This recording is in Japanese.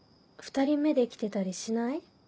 ２人目できてたりしない？